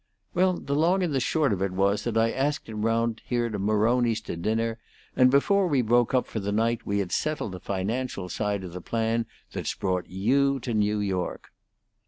"Well, the long and the short of it was that I asked him round here to Maroni's to dinner; and before we broke up for the night we had settled the financial side of the plan that's brought you to New York."